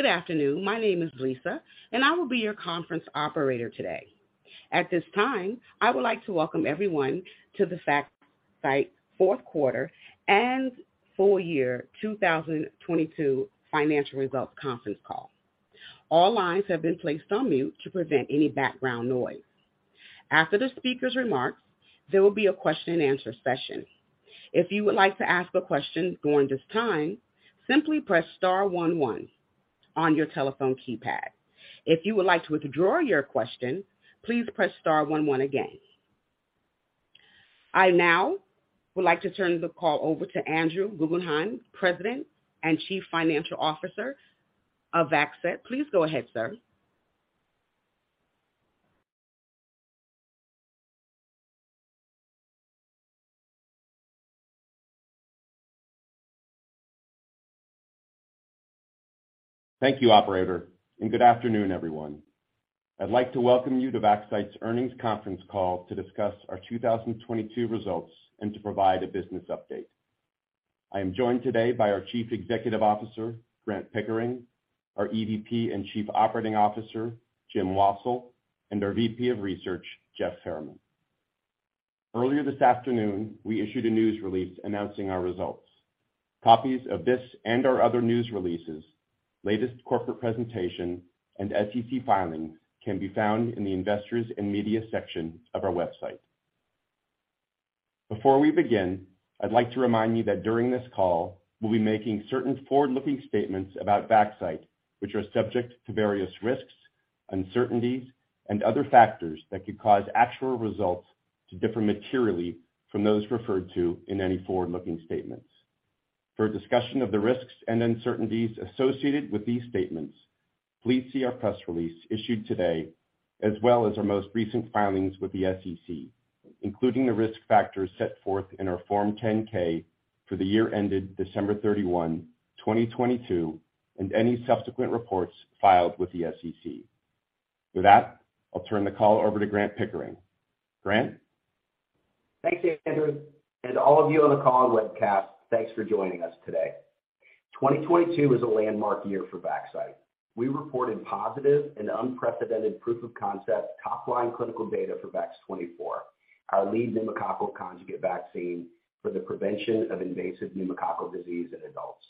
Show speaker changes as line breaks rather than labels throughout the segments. Good afternoon, my name is Lisa, and I will be your conference operator today. At this time, I would like to welcome everyone to the Vaxcyte fourth quarter and full year 2022 financial results conference call. All lines have been placed on mute to prevent any background noise. After the speaker's remarks, there will be a question and answer session. If you would like to ask a question during this time, simply press star one one on your telephone keypad. If you would like to withdraw your question, please press star one one again. I now would like to turn the call over to Andrew Guggenhime, President and Chief Financial Officer of Vaxcyte. Please go ahead, sir.
Thank you, operator. Good afternoon, everyone. I'd like to welcome you to Vaxcyte's earnings conference call to discuss our 2022 results and to provide a business update. I am joined today by our Chief Executive Officer, Grant Pickering, our EVP and Chief Operating Officer, Jim Wassil, and our VP of Research, Jeff Fairman. Earlier this afternoon, we issued a news release announcing our results. Copies of this and our other news releases, latest corporate presentation, and SEC filings can be found in the Investors and Media section of our website. Before we begin, I'd like to remind you that during this call, we'll be making certain forward-looking statements about Vaxcyte, which are subject to various risks, uncertainties, and other factors that could cause actual results to differ materially from those referred to in any forward-looking statements. For a discussion of the risks and uncertainties associated with these statements, please see our press release issued today, as well as our most recent filings with the SEC, including the risk factors set forth in our Form 10-K for the year ended December 31, 2022, and any subsequent reports filed with the SEC. With that, I'll turn the call over to Grant Pickering. Grant?
Thanks, Andrew. All of you on the call and webcast, thanks for joining us today. 2022 was a landmark year for Vaxcyte. We reported positive and unprecedented proof-of-concept top-line clinical data for VAX-24, our lead pneumococcal conjugate vaccine for the prevention of invasive pneumococcal disease in adults.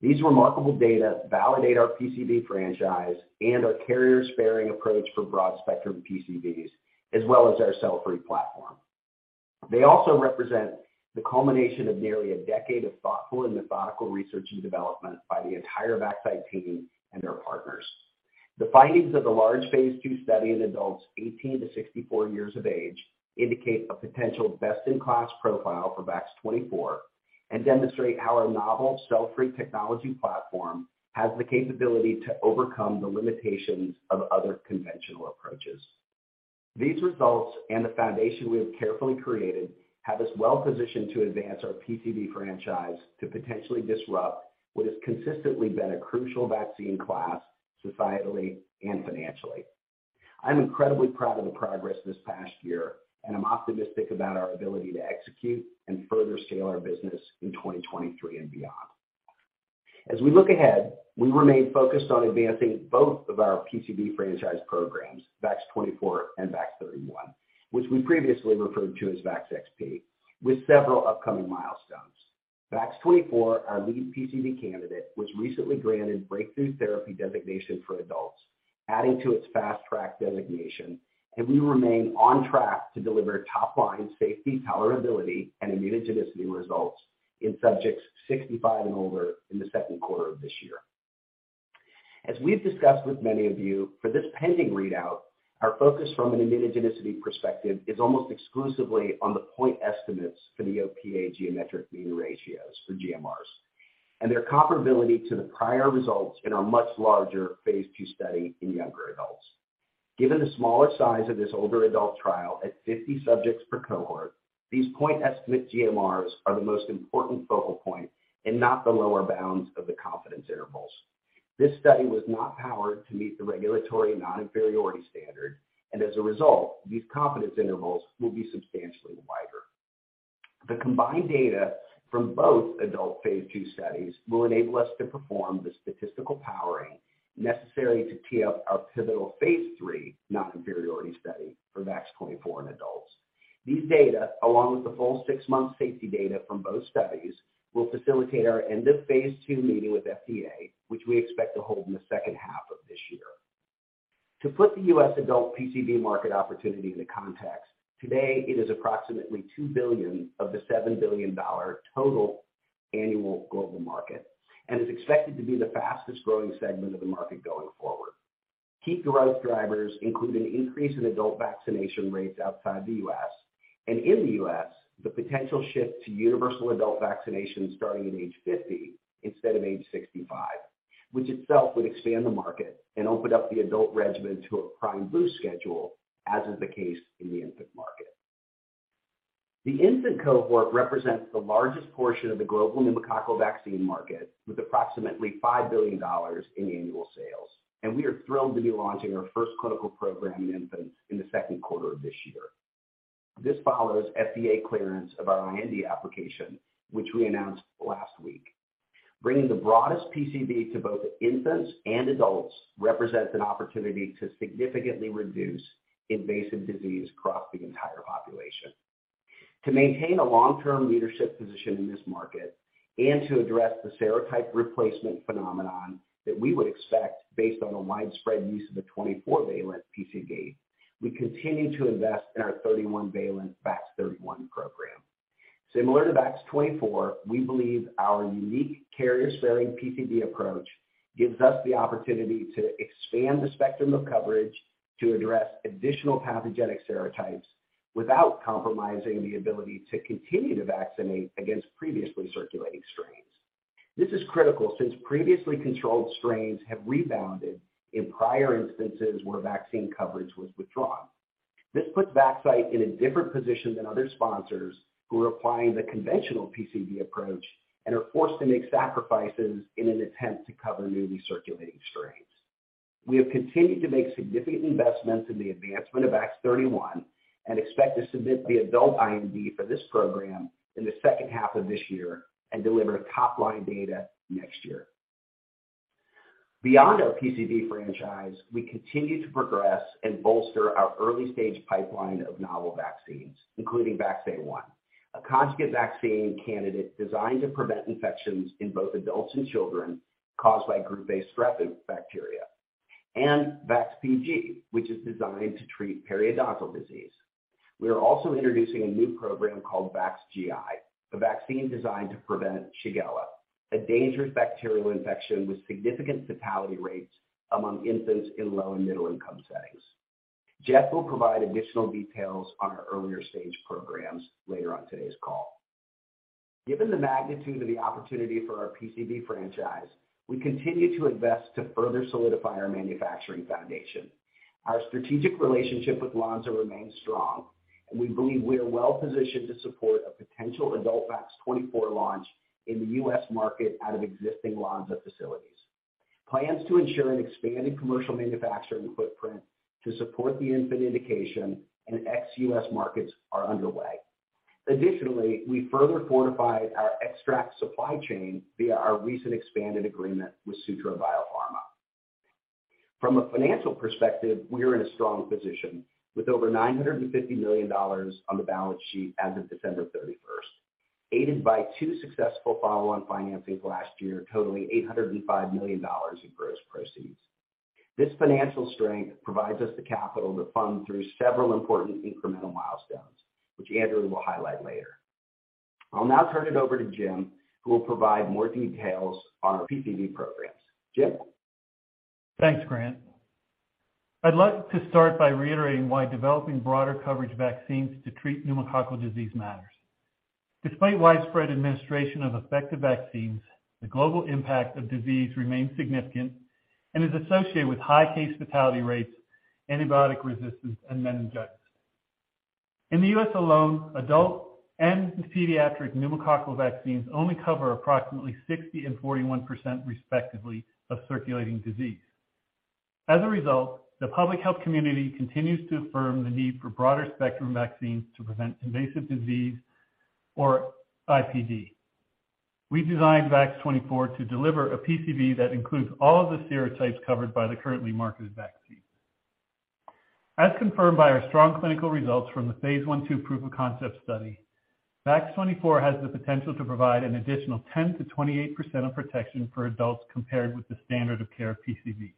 These remarkable data validate our PCV franchise and our carrier-sparing approach for broad-spectrum PCVs, as well as our cell-free platform. They also represent the culmination of nearly a decade of thoughtful and methodical research and development by the entire Vaxcyte team and their partners. The findings of the large phase II study in adults 18 to 64 years of age indicate a potential best-in-class profile for VAX-24 and demonstrate how our novel cell-free technology platform has the capability to overcome the limitations of other conventional approaches. These results and the foundation we have carefully created have us well-positioned to advance our PCV franchise to potentially disrupt what has consistently been a crucial vaccine class, societally and financially. I'm incredibly proud of the progress this past year. I'm optimistic about our ability to execute and further scale our business in 2023 and beyond. We look ahead, we remain focused on advancing both of our PCV franchise programs, VAX-24 and VAX-31, which we previously referred to as VAX-XP, with several upcoming milestones. VAX-24, our lead PCV candidate, was recently granted Breakthrough Therapy designation for adults, adding to its Fast Track designation. We remain on track to deliver top-line safety, tolerability, and immunogenicity results in subjects 65 and older in the second quarter of this year. As we've discussed with many of you, for this pending readout, our focus from an immunogenicity perspective is almost exclusively on the point estimates for the OPA geometric mean ratios for GMRs and their comparability to the prior results in our much larger phase II study in younger adults. Given the smaller size of this older adult trial at 50 subjects per cohort, these point estimate GMRs are the most important focal point and not the lower bounds of the confidence intervals. This study was not powered to meet the regulatory non-inferiority standard, and as a result, these confidence intervals will be substantially wider. The combined data from both adult phase II studies will enable us to perform the statistical powering necessary to tee up our pivotal phase III non-inferiority study for VAX-24 in adults. These data, along with the full six-month safety data from both studies, will facilitate our end of phase II meeting with FDA, which we expect to hold in the second half of this year. To put the U.S. adult PCV market opportunity into context, today it is approximately $2 billion of the $7 billion total annual global market and is expected to be the fastest-growing segment of the market going forward. Key growth drivers include an increase in adult vaccination rates outside the U.S. and in the U.S., the potential shift to universal adult vaccination starting at age 50 instead of age 65, which itself would expand the market and open up the adult regimen to a prime boost schedule, as is the case in the infant market. The infant cohort represents the largest portion of the global pneumococcal vaccine market, with approximately $5 billion in annual sales. We are thrilled to be launching our first clinical program in infants in the second quarter of this year. This follows FDA clearance of our IND application, which we announced last week. Bringing the broadest PCV to both infants and adults represents an opportunity to significantly reduce invasive disease across the entire population. To maintain a long-term leadership position in this market and to address the serotype replacement phenomenon that we would expect based on the widespread use of the 24-valent PCV, we continue to invest in our 31-valent VAX 31 program. Similar to VAX-24, we believe our unique carrier-sparing PCV approach gives us the opportunity to expand the spectrum of coverage to address additional pathogenic serotypes without compromising the ability to continue to vaccinate against previously circulating strains. This is critical since previously controlled strains have rebounded in prior instances where vaccine coverage was withdrawn. This puts Vaxcyte in a different position than other sponsors who are applying the conventional PCV approach and are forced to make sacrifices in an attempt to cover newly circulating strains. We have continued to make significant investments in the advancement of VAX-31 and expect to submit the adult IND for this program in the second half of this year and deliver top-line data next year. Beyond our PCV franchise, we continue to progress and bolster our early-stage pipeline of novel vaccines, including VAX-A1, a conjugate vaccine candidate designed to prevent infections in both adults and children caused by Group A Strep bacteria, and VAX-PG, which is designed to treat periodontal disease. We are also introducing a new program called VAX-GI, a vaccine designed to prevent Shigella, a dangerous bacterial infection with significant fatality rates among infants in low and middle-income settings. Jeff will provide additional details on our earlier stage programs later on today's call. Given the magnitude of the opportunity for our PCV franchise, we continue to invest to further solidify our manufacturing foundation. Our strategic relationship with Lonza remains strong, and we believe we are well-positioned to support a potential adult VAX-24 launch in the U.S. market out of existing Lonza facilities. Plans to ensure an expanded commercial manufacturing footprint to support the infant indication and ex-US markets are underway. Additionally, we further fortified our Xtract supply chain via our recent expanded agreement with Sutro Biopharma. From a financial perspective, we are in a strong position with over $950 million on the balance sheet as of December 31st, aided by two successful follow-on financings last year totaling $805 million in gross proceeds. This financial strength provides us the capital to fund through several important incremental milestones, which Andrew will highlight later. I'll now turn it over to Jim, who will provide more details on our PCV programs. Jim?
Thanks, Grant. I'd like to start by reiterating why developing broader coverage vaccines to treat pneumococcal disease matters. Despite widespread administration of effective vaccines, the global impact of disease remains significant and is associated with high case fatality rates, antibiotic resistance, and meningitis. In the U.S. alone, adult and pediatric pneumococcal vaccines only cover approximately 60% and 41% respectively of circulating disease. The public health community continues to affirm the need for broader spectrum vaccines to prevent invasive disease or IPD. We designed VAX-24 to deliver a PCV that includes all of the serotypes covered by the currently marketed vaccine. Confirmed by our strong clinical results from the phase I III proof of concept study, VAX-24 has the potential to provide an additional 10%-28% of protection for adults compared with the standard of care PCVs.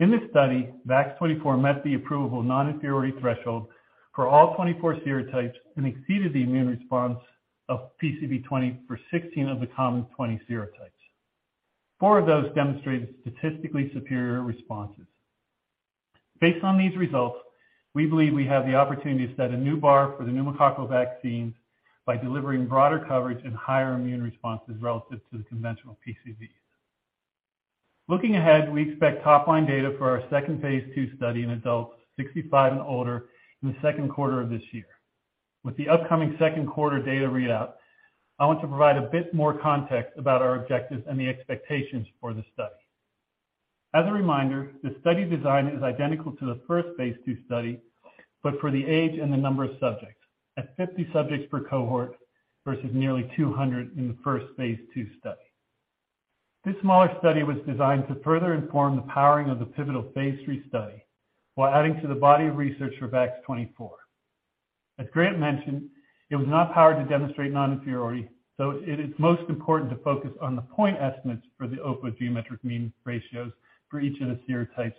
In this study, VAX-24 met the approvable non-inferiority threshold for all 24 serotypes and exceeded the immune response of PCV20 for 16 of the common 20 serotypes. Four of those demonstrated statistically superior responses. Based on these results, we believe we have the opportunity to set a new bar for the pneumococcal vaccine by delivering broader coverage and higher immune responses relative to the conventional PCVs. Looking ahead, we expect top-line data for our second phase II study in adults 65 and older in the second quarter of this year. With the upcoming second quarter data readout, I want to provide a bit more context about our objectives and the expectations for the study. As a reminder, the study design is identical to the first phase II study, for the age and the number of subjects at 50 subjects per cohort versus nearly 200 in the first phase II study. This smaller study was designed to further inform the powering of the pivotal phase III study while adding to the body of research for VAX-24. As Grant mentioned, it was not powered to demonstrate non-inferiority, it is most important to focus on the point estimates for the OPA geometric mean ratios for each of the serotypes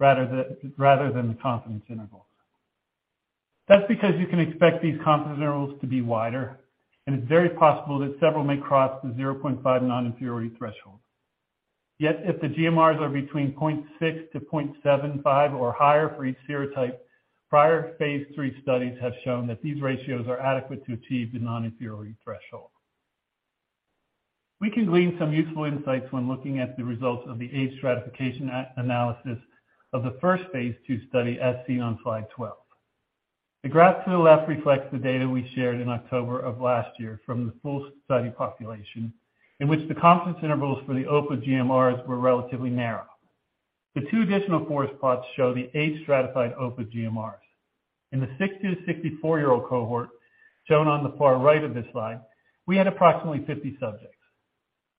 rather than the confidence intervals. That's because you can expect these confidence intervals to be wider, it's very possible that several may cross the 0.5 non-inferiority threshold. If the GMRs are between 0.6 to 0.75 or higher for each serotype, prior phase III studies have shown that these ratios are adequate to achieve the non-inferiority threshold. We can glean some useful insights when looking at the results of the age stratification analysis of the first phase II study as seen on slide 12. The graph to the left reflects the data we shared in October of last year from the full study population in which the confidence intervals for the OPA GMRs were relatively narrow. The two additional forest plots show the age-stratified OPA GMRs. In the 60 to 64-year-old cohort shown on the far right of this slide, we had approximately 50 subjects.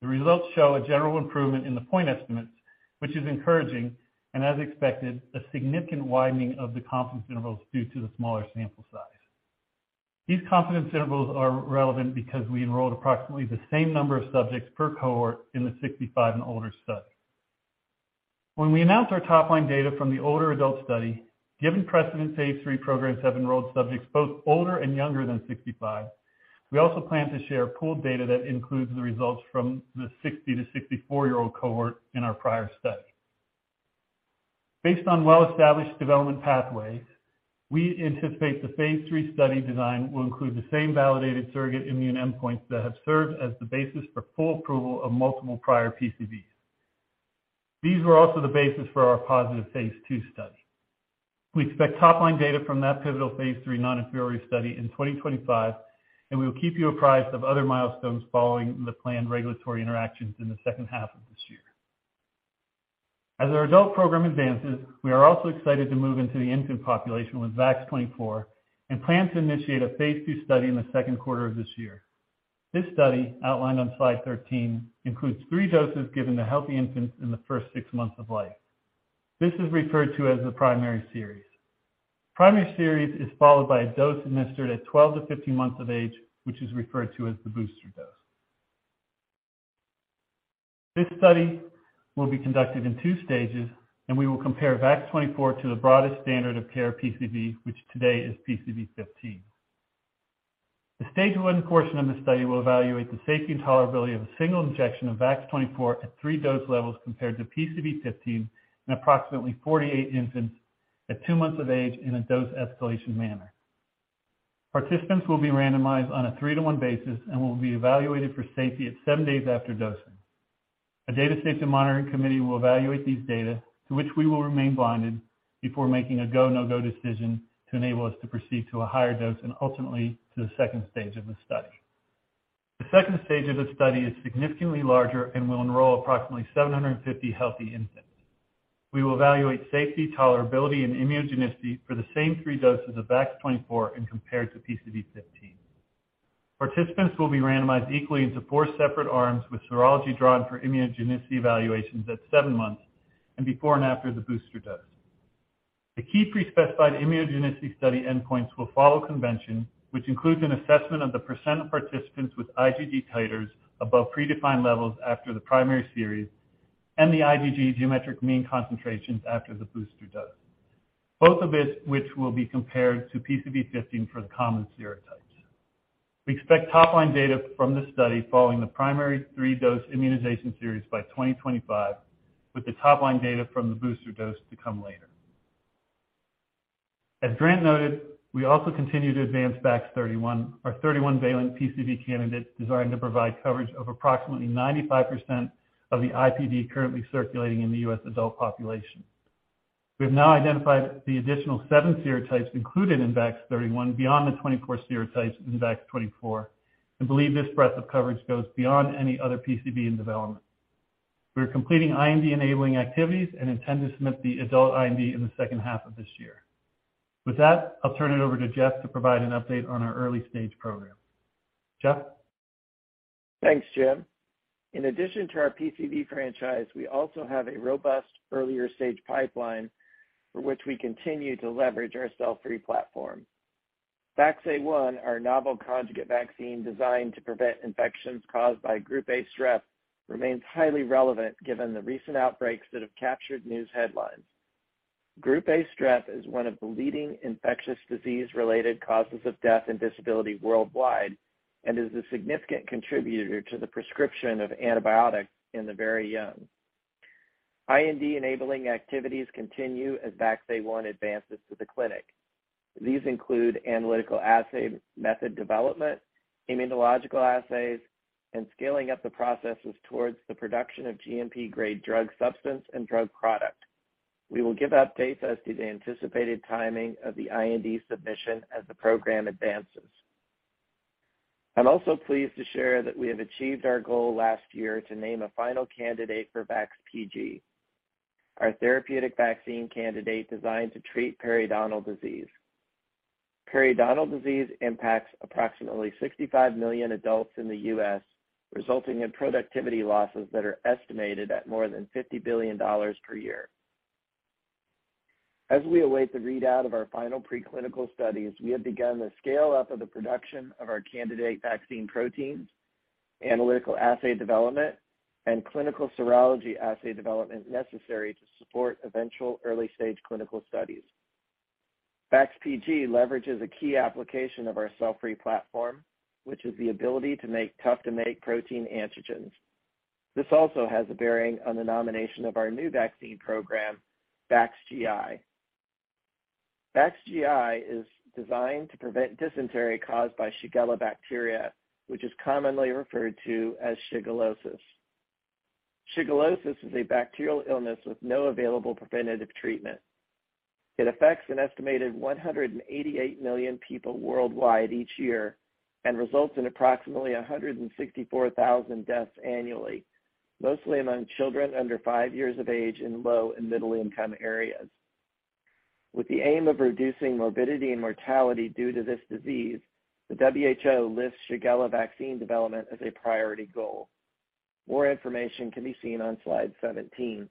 The results show a general improvement in the point estimates, which is encouraging, and as expected, a significant widening of the confidence intervals due to the smaller sample size. These confidence intervals are relevant because we enrolled approximately the same number of subjects per cohort in the 65 and older study. When we announce our top-line data from the older adult study, given precedent Phase III programs have enrolled subjects both older and younger than 65, we also plan to share pooled data that includes the results from the 60 to 64-year-old cohort in our prior study. Based on well-established development pathways, we anticipate the Phase III study design will include the same validated surrogate immune endpoints that have served as the basis for full approval of multiple prior PCVs. These were also the basis for our positive Phase II study. We expect top-line data from that pivotal Phase III non-inferiority study in 2025, and we will keep you apprised of other milestones following the planned regulatory interactions in the second half of this year. As our adult program advances, we are also excited to move into the infant population with VAX-24 and plan to initiate a phase II study in the second quarter of this year. This study outlined on slide 13 includes three doses given to healthy infants in the first six months of life. This is referred to as the primary series. Primary series is followed by a dose administered at 12 to 15 months of age, which is referred to as the booster dose. This study will be conducted in two stages. We will compare VAX-24 to the broadest standard of care PCV, which today is PCV15. The Stage One portion of the study will evaluate the safety and tolerability of a single injection of VAX-24 at three dose levels compared to PCV15 in approximately 48 infants at two months of age in a dose escalation manner. Participants will be randomized on a three to one basis and will be evaluated for safety at seven days after dosing. A Data Safety Monitoring Committee will evaluate these data to which we will remain blinded before making a go, no-go decision to enable us to proceed to a higher dose and ultimately to the second stage of the study. The second stage of the study is significantly larger and will enroll approximately 750 healthy infants. We will evaluate safety, tolerability, and immunogenicity for the same three doses of VAX-24 and compare it to PCV15. Participants will be randomized equally into four separate arms with serology drawn for immunogenicity evaluations at seven months and before and after the booster dose. The key pre-specified immunogenicity study endpoints will follow convention, which includes an assessment of the percent of participants with IgG titers above predefined levels after the primary series and the IgG geometric mean concentrations after the booster dose, both of it which will be compared to PCV15 for the common serotypes. We expect top-line data from this study following the primary 3-dose immunization series by 2025, with the top-line data from the booster dose to come later. As Grant noted, we also continue to advance VAX-31, our 31-valent PCV candidate designed to provide coverage of approximately 95% of the IPD currently circulating in the U.S. adult population. We have now identified the additional 7 serotypes included in VAX-31 beyond the 24 serotypes in VAX-24 and believe this breadth of coverage goes beyond any other PCV in development. We are completing IND-enabling activities and intend to submit the adult IND in the second half of this year. With that, I'll turn it over to Jeff to provide an update on our early-stage program. Jeff?
Thanks, Jim. In addition to our PCV franchise, we also have a robust earlier-stage pipeline for which we continue to leverage our cell-free platform. VAX-A1, our novel conjugate vaccine designed to prevent infections caused by Group A Strep, remains highly relevant given the recent outbreaks that have captured news headlines. Group A Strep is one of the leading infectious disease-related causes of death and disability worldwide and is a significant contributor to the prescription of antibiotics in the very young. IND-enabling activities continue as VAX-A1 advances to the clinic. These include analytical assay method development, immunological assays, and scaling up the processes towards the production of GMP-grade drug substance and drug product. We will give updates as to the anticipated timing of the IND submission as the program advances. I'm also pleased to share that we have achieved our goal last year to name a final candidate for VAX-PG, our therapeutic vaccine candidate designed to treat periodontal disease. Periodontal disease impacts approximately 65 million adults in the U.S., resulting in productivity losses that are estimated at more than $50 billion per year. As we await the readout of our final preclinical studies, we have begun the scale-up of the production of our candidate vaccine proteins, analytical assay development, and clinical serology assay development necessary to support eventual early-stage clinical studies. VAX-PG leverages a key application of our cell-free platform, which is the ability to make tough-to-make protein antigens. This also has a bearing on the nomination of our new vaccine program, VAX-GI. VAX-GI is designed to prevent dysentery caused by Shigella bacteria, which is commonly referred to as shigellosis. Shigellosis is a bacterial illness with no available preventative treatment. It affects an estimated 188 million people worldwide each year and results in approximately 164,000 deaths annually, mostly among children under five years of age in low and middle income areas. With the aim of reducing morbidity and mortality due to this disease, the WHO lists Shigella vaccine development as a priority goal. More information can be seen on slide 17.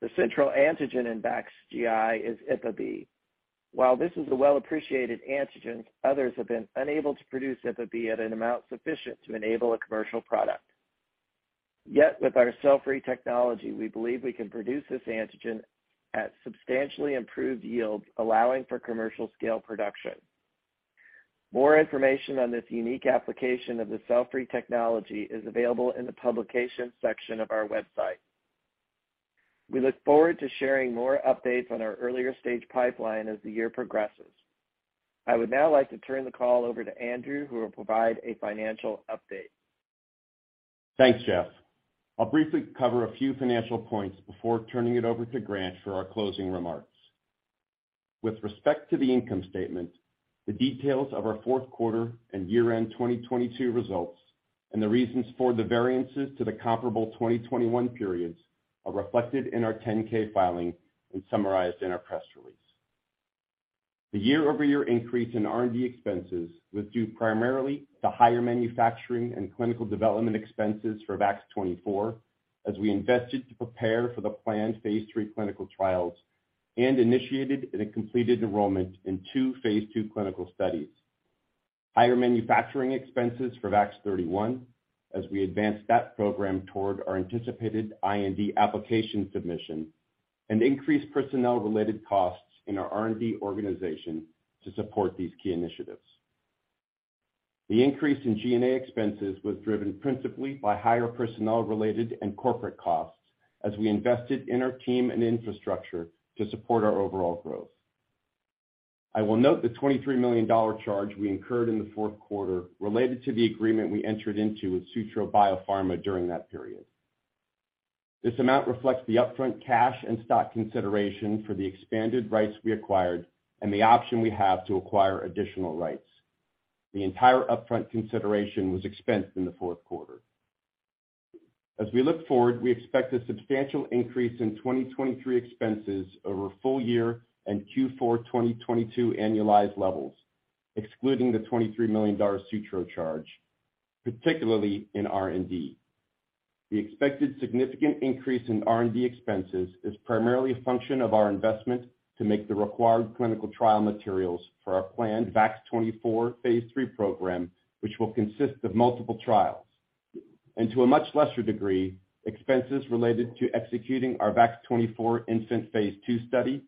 The central antigen in VAX-GI is IpaB. While this is a well-appreciated antigen, others have been unable to produce IpaB at an amount sufficient to enable a commercial product. Yet with our cell-free technology, we believe we can produce this antigen at substantially improved yields, allowing for commercial scale production. More information on this unique application of the cell-free technology is available in the publication section of our website. We look forward to sharing more updates on our earlier stage pipeline as the year progresses. I would now like to turn the call over to Andrew, who will provide a financial update.
Thanks, Jeff. I'll briefly cover a few financial points before turning it over to Grant for our closing remarks. With respect to the income statement, the details of our fourth quarter and year-end 2022 results and the reasons for the variances to the comparable 2021 periods are reflected in our Form 10-K filing and summarized in our press release. The year-over-year increase in R&D expenses was due primarily to higher manufacturing and clinical development expenses for VAX-24 as we invested to prepare for the planned phase III clinical trials and initiated and had completed enrollment in two phase II clinical studies. Higher manufacturing expenses for VAX-31 as we advanced that program toward our anticipated IND application submission and increased personnel related costs in our R&D organization to support these key initiatives. The increase in G&A expenses was driven principally by higher personnel related and corporate costs as we invested in our team and infrastructure to support our overall growth. I will note the $23 million charge we incurred in the fourth quarter related to the agreement we entered into with Sutro Biopharma during that period. This amount reflects the upfront cash and stock consideration for the expanded rights we acquired and the option we have to acquire additional rights. The entire upfront consideration was expensed in the fourth quarter. As we look forward, we expect a substantial increase in 2023 expenses over full year and Q4 2022 annualized levels, excluding the $23 million Sutro charge, particularly in R&D. The expected significant increase in R&D expenses is primarily a function of our investment to make the required clinical trial materials for our planned VAX-24 phase III program, which will consist of multiple trials. To a much lesser degree, expenses related to executing our VAX-24 infant phase II study,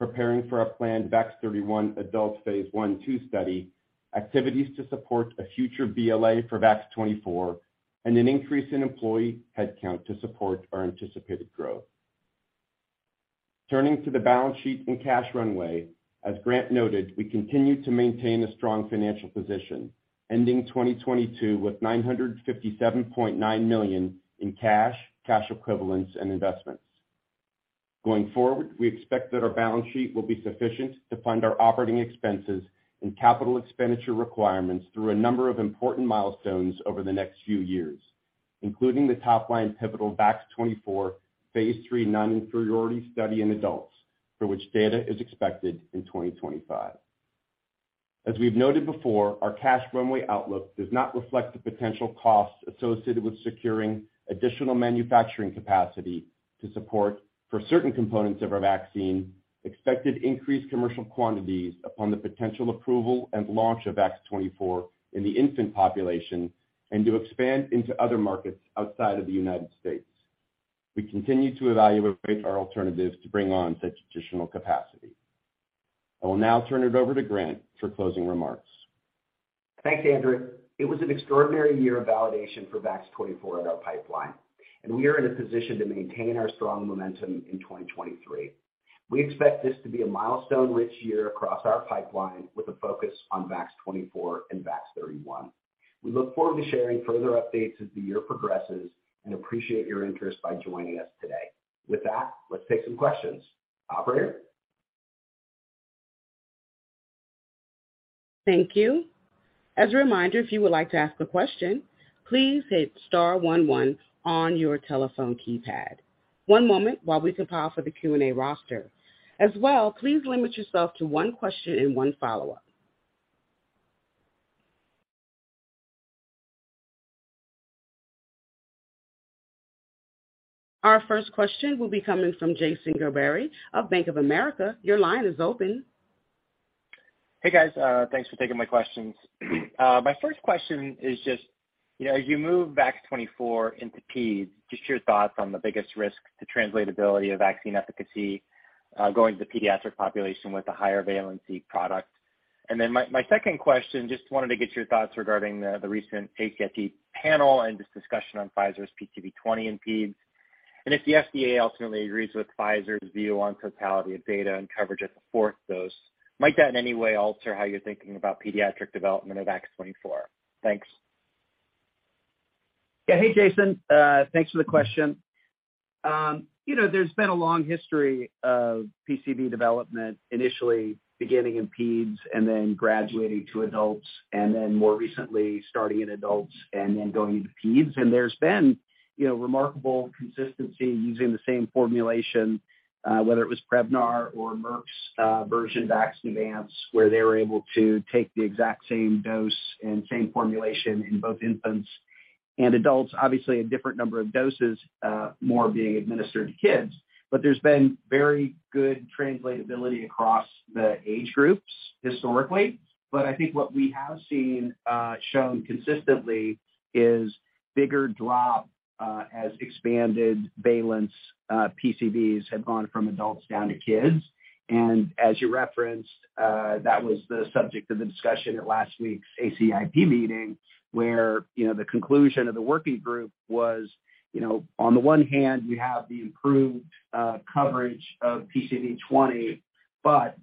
preparing for our planned VAX-31 adult phase I, two study, activities to support a future BLA for VAX-24, and an increase in employee headcount to support our anticipated growth. Turning to the balance sheet and cash runway, as Grant noted, we continue to maintain a strong financial position, ending 2022 with $957.9 million in cash equivalents and investments. Going forward, we expect that our balance sheet will be sufficient to fund our operating expenses and capital expenditure requirements through a number of important milestones over the next few years, including the top-line pivotal VAX-24 phase III non-inferiority study in adults, for which data is expected in 2025. As we've noted before, our cash runway outlook does not reflect the potential costs associated with securing additional manufacturing capacity to support for certain components of our vaccine, expected increased commercial quantities upon the potential approval and launch of VAX-24 in the infant population, and to expand into other markets outside of the United States. We continue to evaluate our alternatives to bring on such additional capacity. I will now turn it over to Grant for closing remarks.
Thanks, Andrew. It was an extraordinary year of validation for VAX-24 in our pipeline, and we are in a position to maintain our strong momentum in 2023. We expect this to be a milestone-rich year across our pipeline with a focus on VAX-24 and VAX-31. We look forward to sharing further updates as the year progresses and appreciate your interest by joining us today. With that, let's take some questions. Operator?
Thank you. As a reminder, if you would like to ask a question, please hit star one one on your telephone keypad. One moment while we compile for the Q&A roster. Please limit yourself to one question and one follow-up. Our first question will be coming from Jason Gerberry of Bank of America. Your line is open.
Hey, guys, thanks for taking my questions. My first question is just, you know, as you move VAX-24 into pedes, just your thoughts on the biggest risk to translatability of vaccine efficacy, going to the pediatric population with a higher valency product. My second question, just wanted to get your thoughts regarding the recent ACIP panel and this discussion on Pfizer's PCV20 in pedes. If the FDA ultimately agrees with Pfizer's view on totality of data and coverage at the fourth dose, might that in any way alter how you're thinking about pediatric development of VAX-24? Thanks.
Yeah. Hey, Jason. Thanks for the question. You know, there's been a long history of PCV development, initially beginning in peds and then graduating to adults, and then more recently starting in adults and then going into peds. There's been, you know, remarkable consistency using the same formulation, whether it was Prevnar or Merck's version Vaxneuvance, where they were able to take the exact same dose and same formulation in both infants and adults. Obviously, a different number of doses, more being administered to kids. There's been very good translatability across the age groups historically. I think what we have seen, shown consistently is bigger drop, as expanded valence, PCVs have gone from adults down to kids. As you referenced, that was the subject of the discussion at last week's ACIP meeting, where, you know, the conclusion of the working group was, you know, on the one hand you have the improved coverage of PCV20, but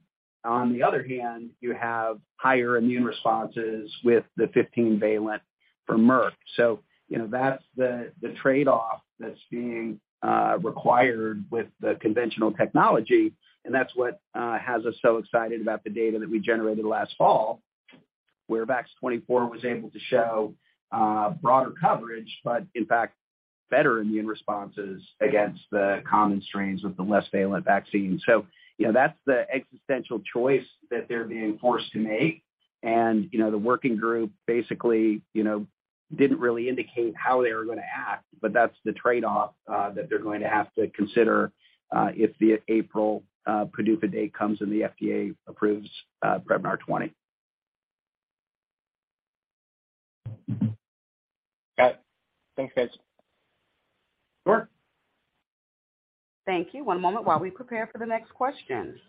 on the other hand you have higher immune responses with the 15-valent from Merck. You know, that's the trade-off that's being required with the conventional technology, and that's what has us so excited about the data that we generated last fall, where VAX-24 was able to show broader coverage, but in fact better immune responses against the common strains of the less valent vaccine. You know, that's the existential choice that they're being forced to make. You know, the working group basically, you know, didn't really indicate how they were gonna act, but that's the trade-off that they're going to have to consider if the April PDUFA date comes and the FDA approves PREVNAR 20.
Got it. Thanks, guys.
Sure.
Thank you. One moment while we prepare for the next question.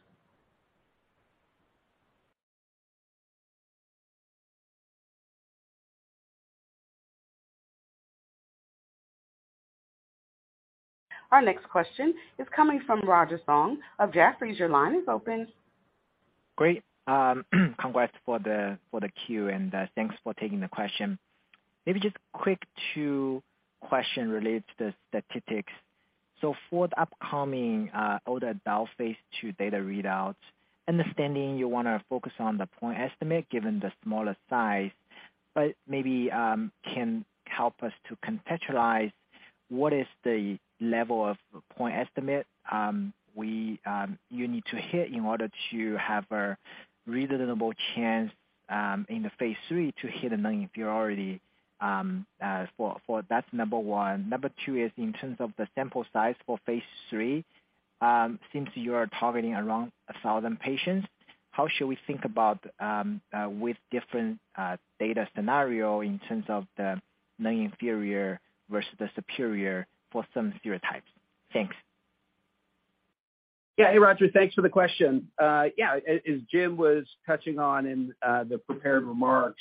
Our next question is coming from Roger Song of Jefferies. Your line is open.
Great. congrats for the Q and thanks for taking the question. Maybe just quick two question related to the statistics. For the upcoming phase II data readouts, understanding you wanna focus on the point estimate given the smaller size, but maybe can help us to contextualize what is the level of point estimate we need to hit in order to have a reasonable chance in the phase III to hit a non-inferiority for that's number one. Number two is in terms of the sample size for phase III, since you are targeting around 1,000 patients, how should we think about with different data scenario in terms of the non-inferior versus the superior for some serotypes? Thanks.
Hey, Roger. Thanks for the question. As Jim was touching on in the prepared remarks,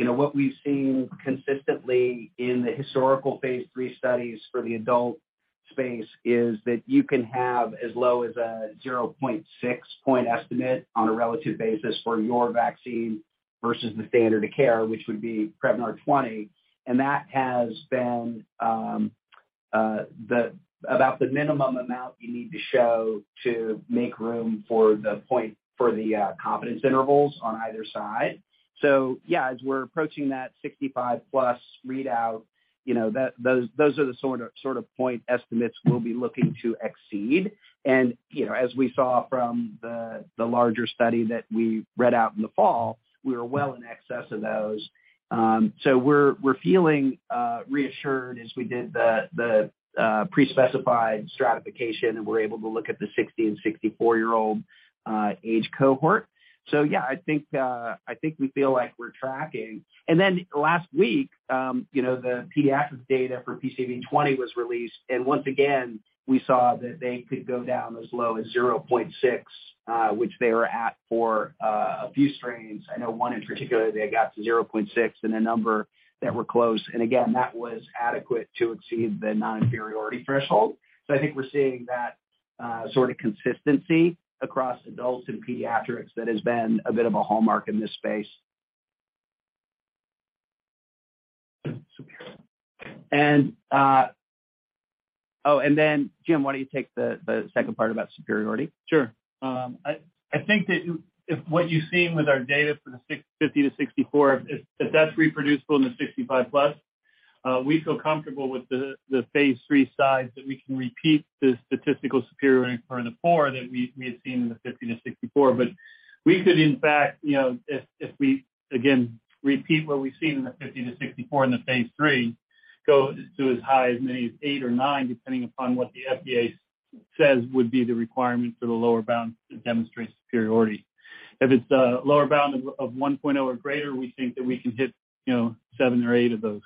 you know, what we've seen consistently in the historical phase III studies for the adult space is that you can have as low as a 0.6-point estimate on a relative basis for your vaccine versus the standard of care, which would be PREVNAR 20, that has been about the minimum amount you need to show to make room for the confidence intervals on either side. As we're approaching that 65+ readout, you know, that, those are the sort of point estimates we'll be looking to exceed. You know, as we saw from the larger study that we read out in the fall, we were well in excess of those. We're feeling reassured as we did the pre-specified stratification, and we're able to look at the 60 and 64-year-old age cohort. Yeah, I think I think we feel like we're tracking. Last week, you know, the pediatrics data for PCV20 was released, and once again, we saw that they could go down as low as 0.6, which they were at for a few strains. I know one in particular, they got to 0.6 and a number that were close. Again, that was adequate to exceed the non-inferiority threshold. I think we're seeing that sort of consistency across adults and pediatrics that has been a bit of a hallmark in this space. Jim Wassil, why don't you take the second part about superiority?
Sure. I think that you, if what you've seen with our data for the 50 to 64, if that's reproducible in the 65+, we feel comfortable with the phase III size that we can repeat the statistical superiority or in the four that we had seen in the 50 to 64. We could in fact, you know, if we again repeat what we've seen in the 50 to 64 in the phase III, go to as high as maybe eight or nine, depending upon what the FDA says would be the requirement for the lower bound to demonstrate superiority. If it's a lower bound of 1.0 or greater, we think that we can hit, you know, seven or eight of those.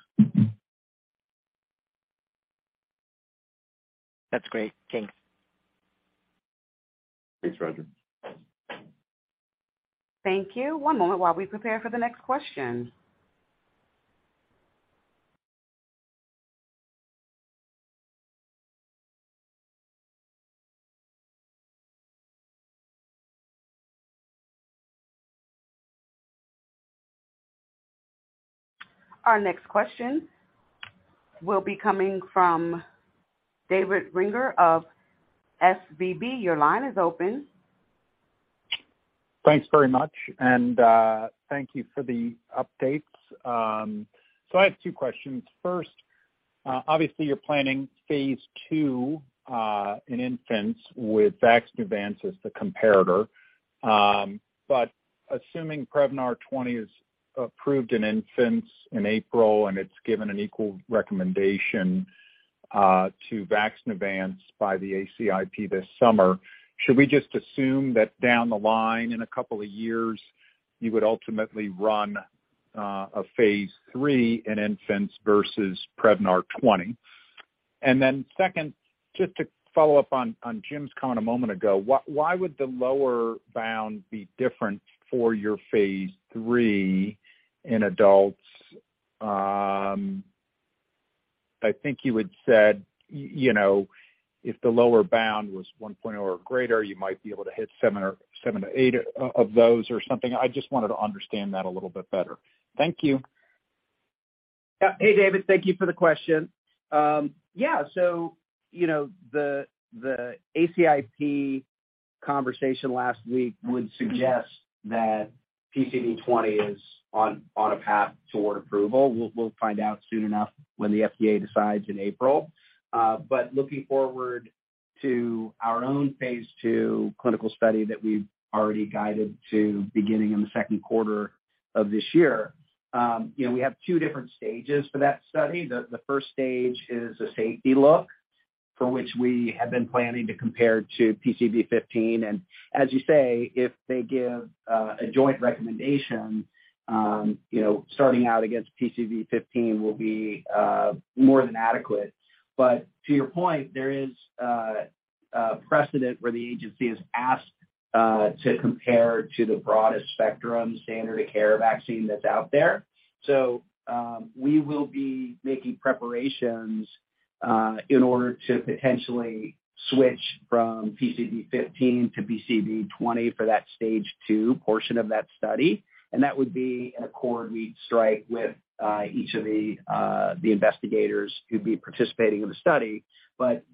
That's great. Thanks.
Thanks, Roger.
Thank you. One moment while we prepare for the next question. Our next question will be coming from David Risinger of SVB Securities. Your line is open.
Thanks very much, thank you for the updates. I have two questions. First, obviously you're planning phase II in infants with VAX-24 as the comparator. Assuming PREVNAR 20 is approved in infants in April, and it's given an equal recommendation to VAX-24 by the ACIP this summer, should we just assume that down the line in a couple of years, you would ultimately run a phase III in infants versus PREVNAR 20? Second, just to follow up on Jim's comment a moment ago, why would the lower bound be different for your phase III in adults? I think you had said, you know, if the lower bound was one point or greater, you might be able to hit seven or seven to eight of those or something. I just wanted to understand that a little bit better. Thank you.
Hey, David. Thank you for the question. You know, the ACIP conversation last week would suggest that PCV20 is on a path toward approval. We'll find out soon enough when the FDA decides in April. Looking forward to our own phase II clinical study that we've already guided to beginning in the 2nd quarter of this year, you know, we have two different stages for that study. The 1st stage is a safety look, for which we have been planning to compare to PCV15. As you say, if they give a joint recommendation, you know, starting out against PCV15 will be more than adequate. To your point, there is precedent where the agency has asked to compare to the broadest spectrum standard of care vaccine that's out there. We will be making preparations in order to potentially switch from PCV15 to PCV20 for that stage two portion of that study, and that would be an accord we'd strike with each of the investigators who'd be participating in the study.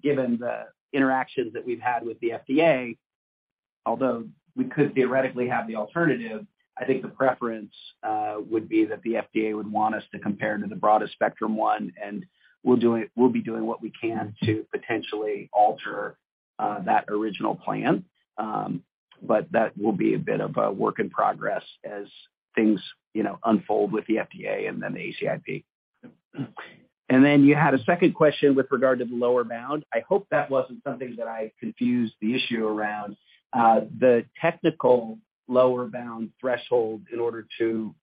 Given the interactions that we've had with the FDA, although we could theoretically have the alternative, I think the preference would be that the FDA would want us to compare to the broadest spectrum one, and we'll be doing what we can to potentially alter that original plan. That will be a bit of a work in progress as things, you know, unfold with the FDA and then the ACIP. You had a second question with regard to the lower bound. I hope that wasn't something that I confused the issue around. The technical lower bound threshold in order to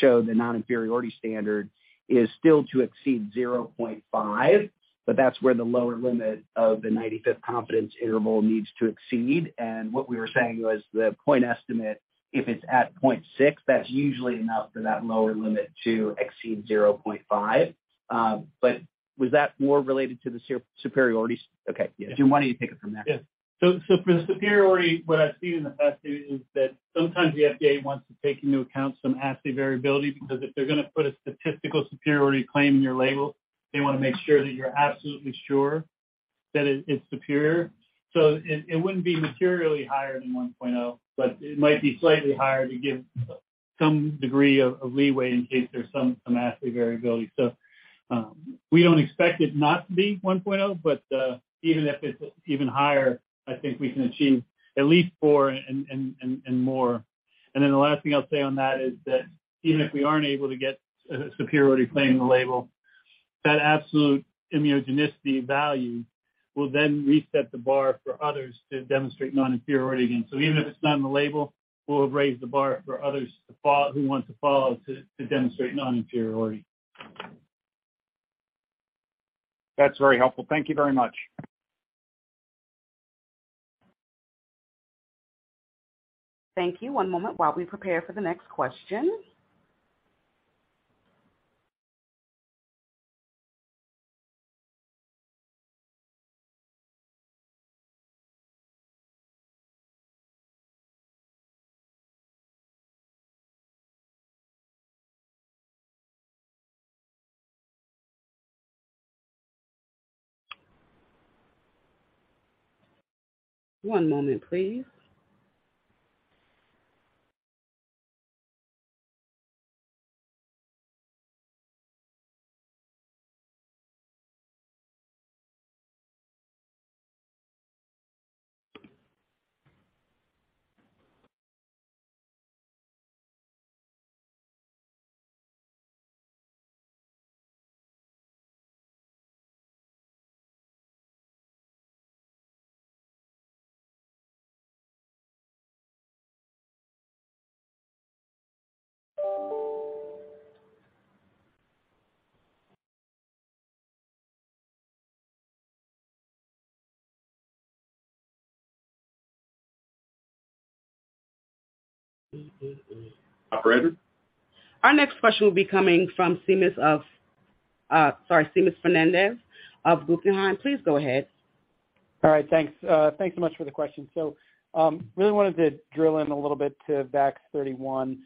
show the non-inferiority standard is still to exceed 0.5, but that's where the lower limit of the 95th confidence interval needs to exceed. What we were saying was the point estimate, if it's at 0.6, that's usually enough for that lower limit to exceed 0.5. But was that more related to the ser-superiority? Okay. Yeah. Jim, why don't you take it from there?
Yes. For the superiority, what I've seen in the past is that sometimes the FDA wants to take into account some assay variability, because if they're gonna put a statistical superiority claim in your label, they wanna make sure that you're absolutely sure that it's superior. It wouldn't be materially higher than 1.0, but it might be slightly higher to give some degree of leeway in case there's some assay variability. We don't expect it not to be 1.0, but even if it's even higher, I think we can achieve at least four and more. The last thing I'll say on that is that even if we aren't able to get a superiority claim in the label, that absolute immunogenicity value will then reset the bar for others to demonstrate non-inferiority again. Even if it's not in the label, we'll have raised the bar for others to follow, who want to follow to demonstrate non-inferiority.
That's very helpful. Thank you very much.
Thank you. One moment while we prepare for the next question. One moment, please.
Operator?
Our next question will be coming from Seamus Fernandez of Guggenheim. Please go ahead.
All right, thanks. Thanks so much for the question. Really wanted to drill in a little bit to VAX-31.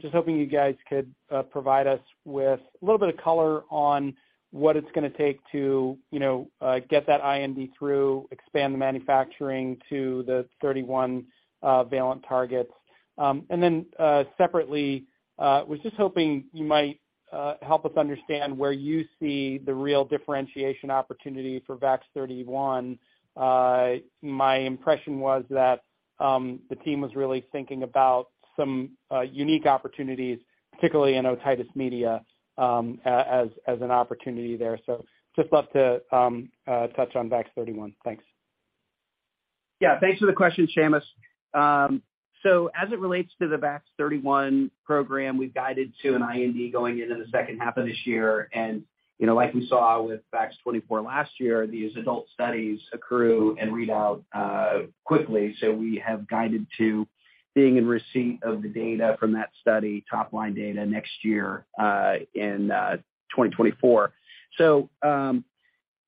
Just hoping you guys could provide us with a little bit of color on what it's gonna take to, you know, get that IND through, expand the manufacturing to the 31 valent targets. Separately, was just hoping you might help us understand where you see the real differentiation opportunity for VAX-31. My impression was that the team was really thinking about some unique opportunities, particularly in otitis media as an opportunity there. Just love to touch on VAX-31. Thanks.
Thanks for the question, Seamus. So as it relates to the VAX-31 program, we've guided to an IND going into the second half of this year. You know, like we saw with VAX-24 last year, these adult studies accrue and read out quickly. We have guided to being in receipt of the data from that study, top line data next year, in 2024.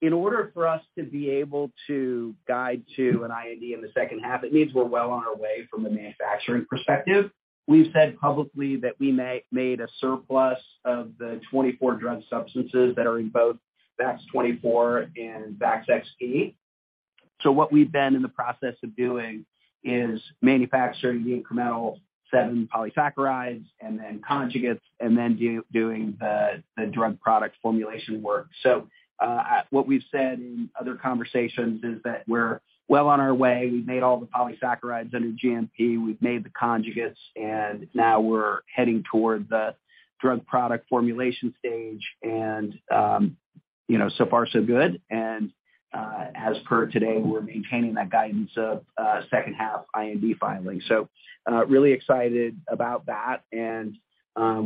In order for us to be able to guide to an IND in the second half, it means we're well on our way from a manufacturing perspective. We've said publicly that we made a surplus of the 24 drug substances that are in both VAX-24 and VAX-24. What we've been in the process of doing is manufacturing the incremental seven polysaccharides and then conjugates, and then doing the drug product formulation work. What we've said in other conversations is that we're well on our way. We've made all the polysaccharides under GMP, we've made the conjugates, and now we're heading toward the drug product formulation stage. You know, so far so good. As per today, we're maintaining that guidance of second half IND filing. Really excited about that, and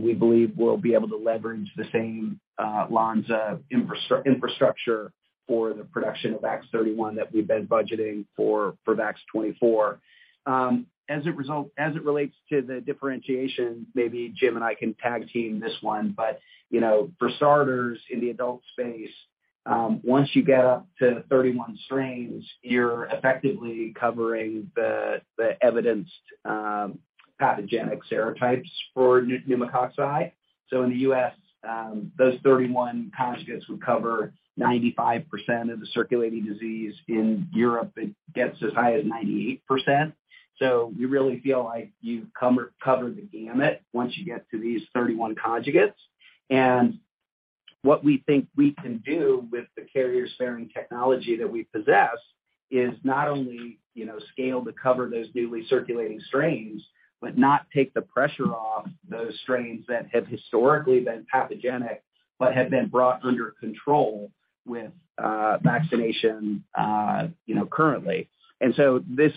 we believe we'll be able to leverage the same Lonza infrastructure for the production of VAX-31 that we've been budgeting for VAX-24. As a result, as it relates to the differentiation, maybe Jim and I can tag team this one. You know, for starters, in the adult space, once you get up to 31 strains, you're effectively covering the evidenced pathogenic serotypes for pneumococci. In the U.S., those 31 conjugates would cover 95% of the circulating disease. In Europe, it gets as high as 98%. You really feel like you cover the gamut once you get to these 31 conjugates. What we think we can do with the carrier-sparing technology that we possess is not only, you know, scale to cover those newly circulating strains, but not take the pressure off those strains that have historically been pathogenic but have been brought under control with vaccination, you know, currently. This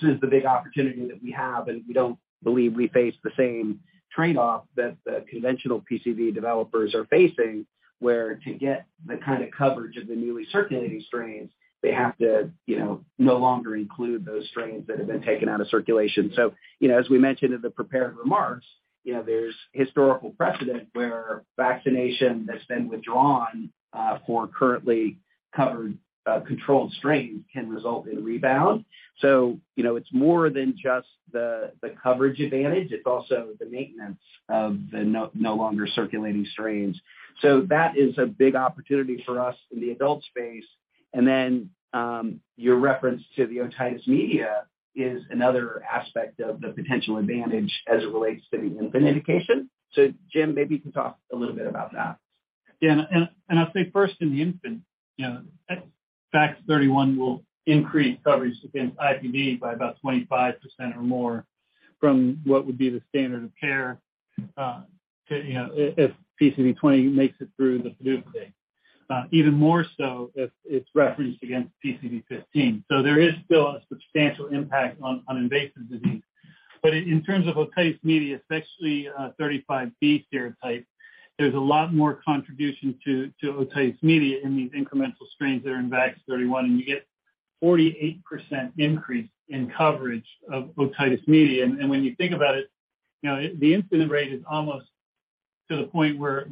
is the big opportunity that we have, and we don't believe we face the same trade-off that the conventional PCV developers are facing, where to get the kind of coverage of the newly circulating strains, they have to, you know, no longer include those strains that have been taken out of circulation. You know, as we mentioned in the prepared remarks, you know, there's historical precedent where vaccination that's been withdrawn, for currently covered, controlled strains can result in rebound. You know, it's more than just the coverage advantage, it's also the maintenance of the no longer circulating strains. That is a big opportunity for us in the adult space. Then, your reference to the otitis media is another aspect of the potential advantage as it relates to the infant indication. Jim, maybe you can talk a little bit about that.
Yeah. I'll say first in the infant, you know, VAX-31 will increase coverage against IPD by about 25% or more from what would be the standard of care, you know, if PCV20 makes it through the ACIP. Even more so if it's referenced against PCV15. There is still a substantial impact on invasive disease. In terms of otitis media, especially, 35B serotype, there's a lot more contribution to otitis media in these incremental strains that are in VAX-31, and you get 48% increase in coverage of otitis media. when you think about it, you know, the incident rate is almost to the point where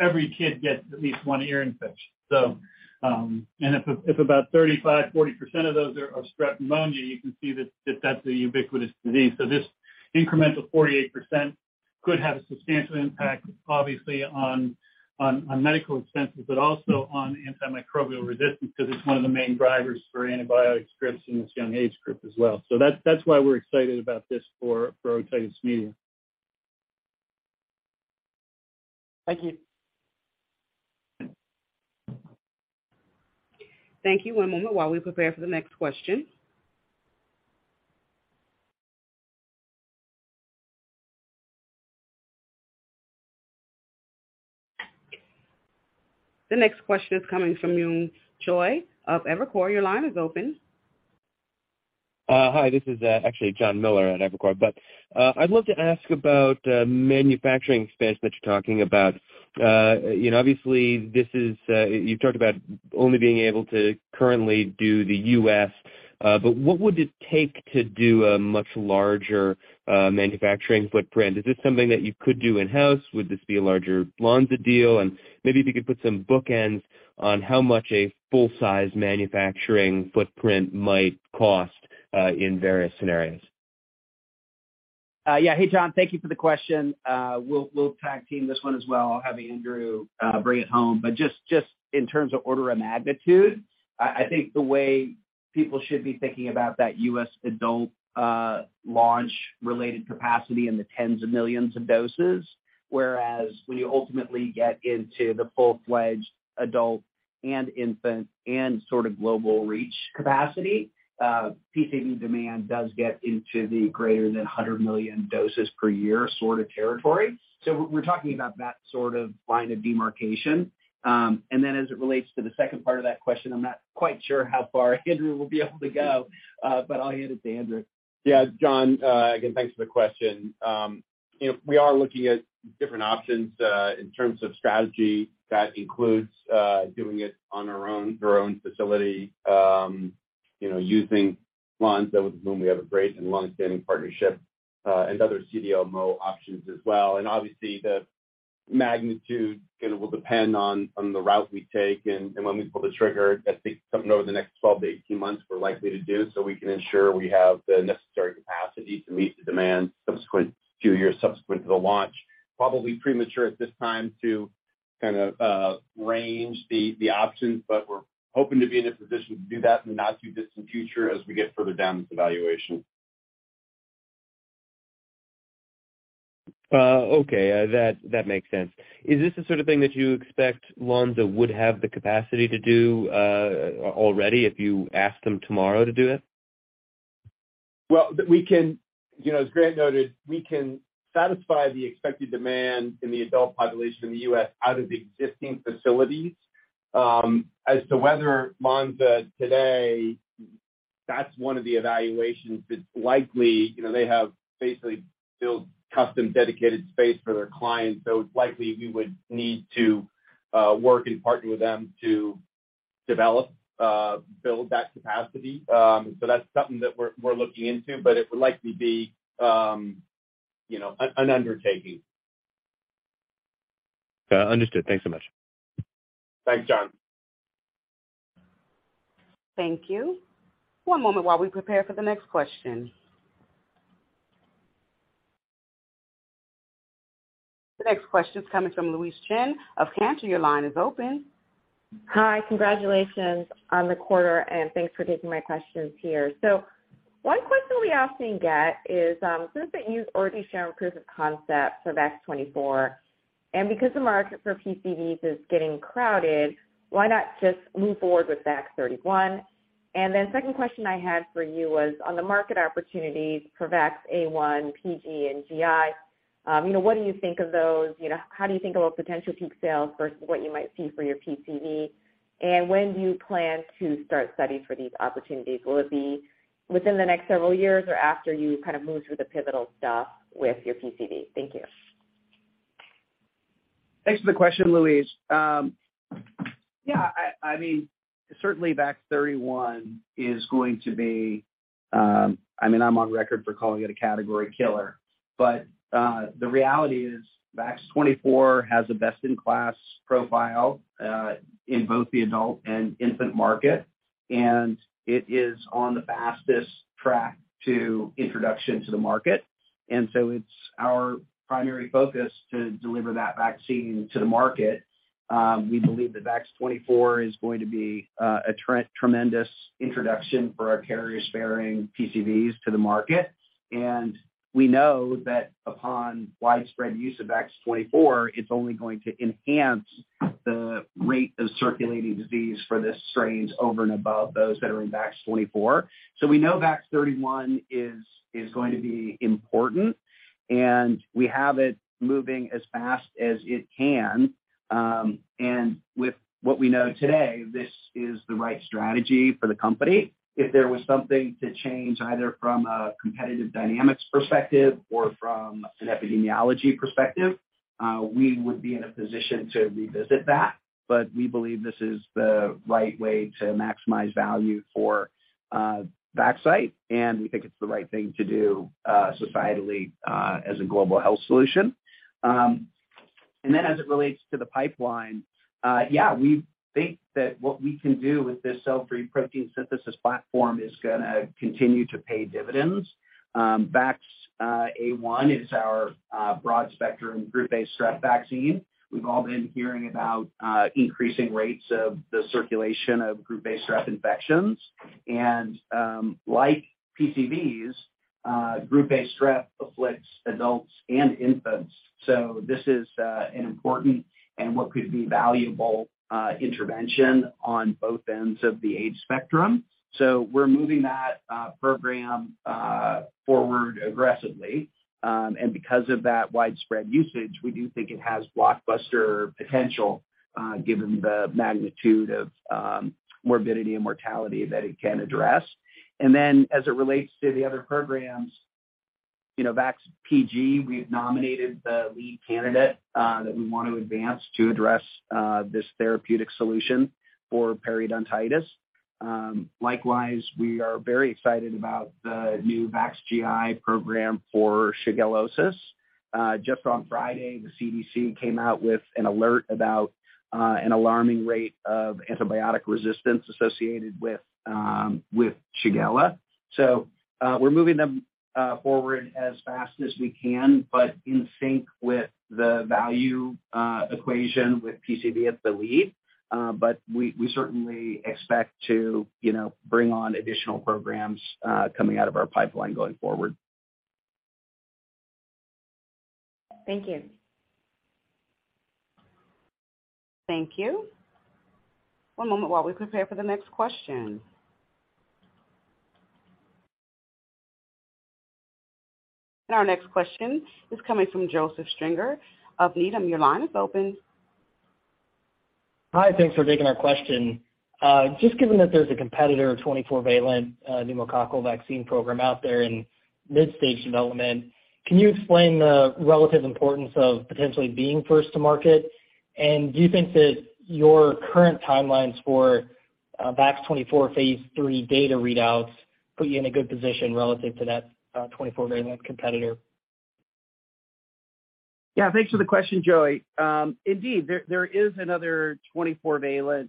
every kid gets at least one ear infection. If about 35%-40% of those are Streptococcus pneumoniae, you can see that's a ubiquitous disease. This incremental 48% could have a substantial impact obviously on medical expenses, but also on antimicrobial resistance because it's one of the main drivers for antibiotic scripts in this young age group as well. That's why we're excited about this for otitis media.
Thank you.
Thank you. One moment while we prepare for the next question. The next question is coming from [Joy] of Evercore. Your line is open.
Hi. This is actually Jonathan Miller at Evercore. I'd love to ask about manufacturing space that you're talking about. You know, obviously this is, you've talked about only being able to currently do the U.S. What would it take to do a much larger manufacturing footprint? Is this something that you could do in-house? Would this be a larger Lonza deal? Maybe if you could put some bookends on how much a full-size manufacturing footprint might cost in various scenarios.
Yeah. Hey, Jon, thank you for the question. We'll tag team this one as well, having Andrew Guggenhime bring it home. Just in terms of order of magnitude, I think the way people should be thinking about that U.S. adult launch related capacity in the tens of millions of doses, whereas when you ultimately get into the full-fledged adult and infant and sort of global reach capacity, PCV demand does get into the greater than 100 million doses per year sort of territory. We're talking about that sort of line of demarcation. As it relates to the second part of that question, I'm not quite sure how far Andrew Guggenhime will be able to go, but I'll hand it to Andrew Guggenhime.
Yeah, Jon, again, thanks for the question. You know, we are looking at different options in terms of strategy that includes doing it on our own facility, you know, using Lonza with whom we have a great and long-standing partnership, and other CDMO options as well. Obviously, the magnitude kinda will depend on the route we take and when we pull the trigger. I think something over the next 12-18 months we're likely to do, so we can ensure we have the necessary capacity to meet the demand few years subsequent to the launch. Probably premature at this time to kind of range the options, but we're hoping to be in a position to do that in the not too distant future as we get further down this evaluation.
Okay. That makes sense. Is this the sort of thing that you expect Lonza would have the capacity to do, already if you ask them tomorrow to do it?
Well, we can. You know, as Grant noted, we can satisfy the expected demand in the adult population in the U.S. out of the existing facilities. As to whether Lonza today, that's one of the evaluations. It's likely, you know, they have basically built custom dedicated space for their clients, so it's likely we would need to work and partner with them to develop, build that capacity. That's something that we're looking into, but it would likely be, you know, an undertaking.
understood. Thanks so much.
Thanks, John.
Thank you. One moment while we prepare for the next question. The next question is coming from Louise Chen of Cantor Fitzgerald. Your line is open.
Hi. Congratulations on the quarter, and thanks for taking my questions here. One question we often get is, since that you've already shown proof of concept for VAX-24, and because the market for PCVs is getting crowded, why not just move forward with VAX-31? Second question I had for you was on the market opportunities for VAX-A1, VAX-PG, and VAX-GI, you know, what do you think of those? You know, how do you think about potential peak sales versus what you might see for your PCV? When do you plan to start studies for these opportunities? Will it be within the next several years or after you kind of move through the pivotal stuff with your PCV? Thank you.
Thanks for the question, Louise. yeah, I mean, certainly VAX-31 is going to be. I mean, I'm on record for calling it a category killer. The reality is VAX-24 has a best-in-class profile in both the adult and infant market, and it is on the fastest track to introduction to the market. It's our primary focus to deliver that vaccine to the market. We believe that VAX-24 is going to be a tremendous introduction for our carrier-sparing PCVs to the market. We know that upon widespread use of VAX-24, it's only going to enhance the rate of circulating disease for this strains over and above those that are in VAX-24. We know VAX-31 is going to be important, and we have it moving as fast as it can. With what we know today, this is the right strategy for the company. If there was something to change, either from a competitive dynamics perspective or from an epidemiology perspective, we would be in a position to revisit that. We believe this is the right way to maximize value for Vaxcyte, and we think it's the right thing to do societally as a global health solution. As it relates to the pipeline, we think that what we can do with this cell-free protein synthesis platform is gonna continue to pay dividends. VAX-A1 is our broad-spectrum Group A Strep vaccine. We've all been hearing about increasing rates of the circulation of Group A Strep infections. Like PCVs, Group A Strep afflicts adults and infants. This is an important and what could be valuable intervention on both ends of the age spectrum. We're moving that program forward aggressively. Because of that widespread usage, we do think it has blockbuster potential given the magnitude of morbidity and mortality that it can address. As it relates to the other programs. You know, VAX-PG, we've nominated the lead candidate that we want to advance to address this therapeutic solution for periodontitis. Likewise, we are very excited about the new VAX-GI program for shigellosis. Just on Friday, the CDC came out with an alert about an alarming rate of antibiotic resistance associated with shigella. We're moving them forward as fast as we can, but in sync with the value equation with PCV as the lead. We certainly expect to, you know, bring on additional programs, coming out of our pipeline going forward.
Thank you.
Thank you. One moment while we prepare for the next question. Our next question is coming from Joseph Stringer of Needham. Your line is open.
Hi, thanks for taking our question. Just given that there's a competitor 24-valent pneumococcal vaccine program out there in mid-stage development, can you explain the relative importance of potentially being first to market? Do you think that your current timelines for VAX-24 phase III data readouts put you in a good position relative to that 24-valent competitor?
Yeah. Thanks for the question, Joe. Indeed, there is another 24-valent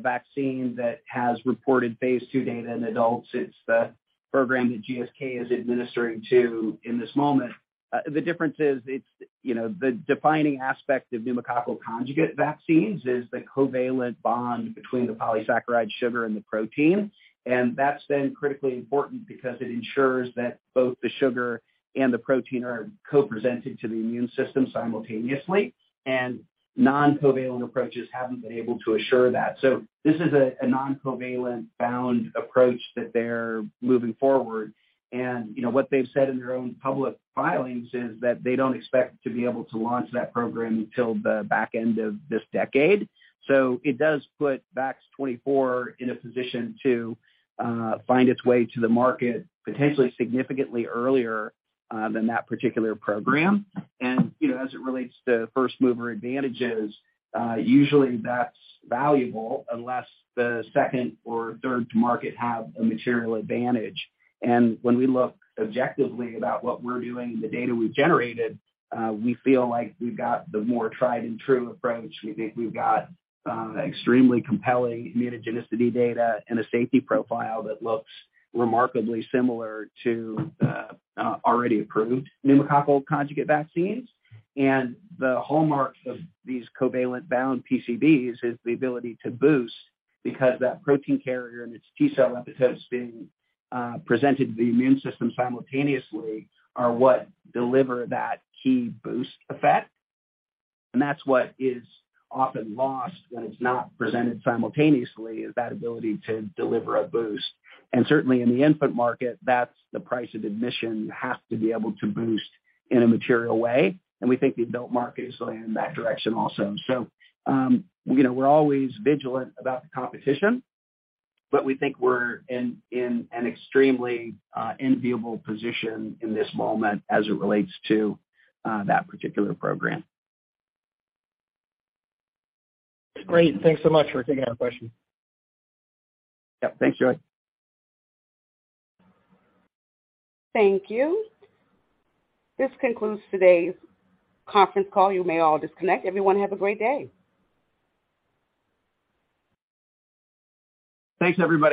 vaccine that has reported phase II data in adults. It's the program that GSK is administering to in this moment. The difference is it's, you know, the defining aspect of pneumococcal conjugate vaccines is the covalent bond between the polysaccharide sugar and the protein. That's critically important because it ensures that both the sugar and the protein are co-presented to the immune system simultaneously. Non-covalent approaches haven't been able to assure that. This is a non-covalent bound approach that they're moving forward. You know, what they've said in their own public filings is that they don't expect to be able to launch that program until the back end of this decade. It does put VAX-24 in a position to find its way to the market potentially significantly earlier than that particular program. You know, as it relates to first-mover advantages, usually that's valuable unless the second or third to market have a material advantage. When we look objectively about what we're doing and the data we've generated, we feel like we've got the more tried and true approach. We think we've got extremely compelling immunogenicity data and a safety profile that looks remarkably similar to the already approved pneumococcal conjugate vaccines. The hallmarks of these covalent bound PCVs is the ability to boost, because that protein carrier and its T-cell epitopes being presented to the immune system simultaneously are what deliver that key boost effect. That's what is often lost when it's not presented simultaneously, is that ability to deliver a boost. Certainly in the infant market, that's the price of admission, you have to be able to boost in a material way. We think we've built market insulation in that direction also. You know, we're always vigilant about the competition, but we think we're in an extremely enviable position in this moment as it relates to that particular program.
Great. Thanks so much for taking our question.
Yep. Thanks, Joe.
Thank you. This concludes today's conference call. You may all disconnect. Everyone have a great day.
Thanks, everybody.